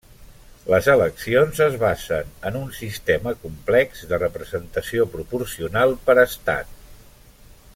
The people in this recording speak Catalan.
Les eleccions es basen en un sistema complex de representació proporcional per estat.